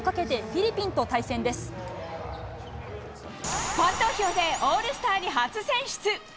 ファン投票でオールスターに初選出。